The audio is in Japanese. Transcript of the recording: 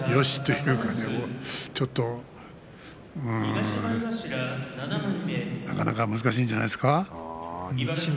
よしとなるのか、ちょっとなかなか難しいんじゃないですか。